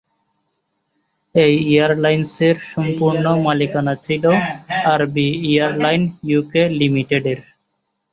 এই এয়ারলাইন্সের সম্পূর্ণ মালিকানা ছিল আর বি এয়ারলাইন ইউকে লিমিটেডের।